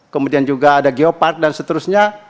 kemudian juga ada geopark dan seterusnya